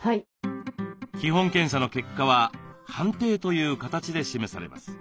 基本検査の結果は判定という形で示されます。